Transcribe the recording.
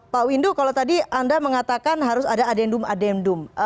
pak windu kalau tadi anda mengatakan harus ada adendum adendum